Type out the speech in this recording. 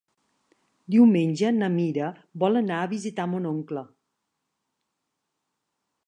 Diumenge na Mira vol anar a visitar mon oncle.